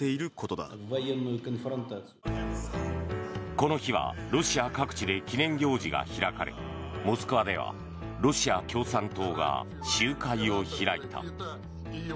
この日はロシア各地で記念行事が開かれモスクワではロシア共産党が集会を開いた。